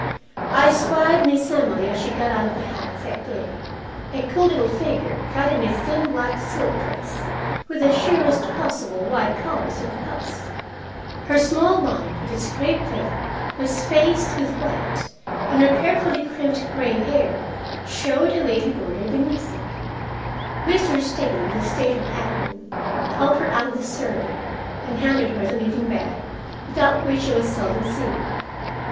I spied Miss Emily as she got out of the hack that day, a cool little figure clad in a thin black silk dress, with the sheerest possible white collars and cuffs. Her small bonnet with its crepe veil was faced with white, and her carefully crimped gray hair showed a wavy border beneath it. Mr. Staley, the station hackman, helped her out of the surrey, and handed her the knitting bag without which she was seldom seen.